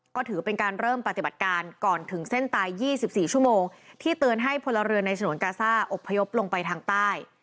ก็ถือเป็นการเริ่มปฏิบัติการก่อนถึงเส้นตาย๒๔ชั่วโมงที่เตือนให้พลเรือนในฉนวนกาซ่าอบพยพลงไปทางใต้